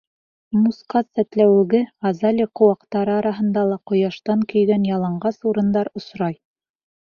Мускат сәтләүеге, азалия ҡыуаҡтары араһында ла ҡояштан көйгән яланғас урындар осрай.